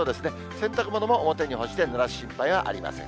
洗濯物も表に干してぬれる心配はありません。